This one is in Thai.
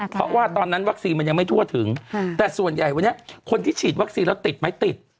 เพราะว่าตอนนั้นวัคซีนมันยังไม่ทั่วถึงแต่ส่วนใหญ่วันนี้คนที่ฉีดวัคซีนแล้วติดไหมติด